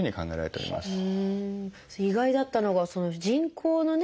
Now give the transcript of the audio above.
意外だったのが人工のね